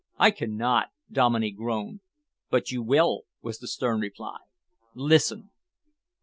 "I cannot!" Dominey groaned. "But you will," was the stern reply. "Listen."